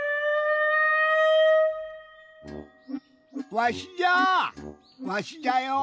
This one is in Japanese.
わしじゃわしじゃよ。